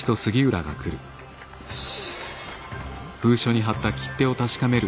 よし。